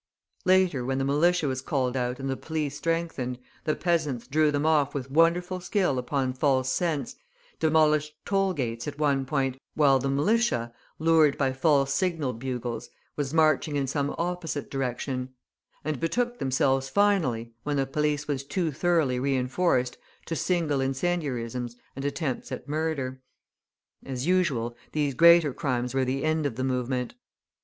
Later, when the militia was called out and the police strengthened, the peasants drew them off with wonderful skill upon false scents, demolished toll gates at one point while the militia, lured by false signal bugles, was marching in some opposite direction; and betook themselves finally, when the police was too thoroughly reinforced, to single incendiarisms and attempts at murder. As usual, these greater crimes were the end of the movement.